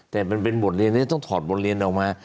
แต่มันเป็นบทเรียนที่จะต้องถอดบทเรียนออกมา